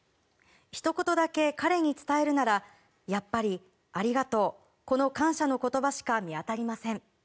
ひと言だけ彼に伝えるならやっぱり、ありがとうこの感謝の言葉しか見当たりません。